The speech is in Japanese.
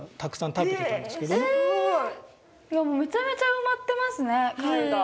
めちゃめちゃ埋まってますね貝が。